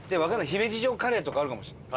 姫路城カレーとかあるかもしれない。